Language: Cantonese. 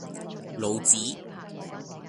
老子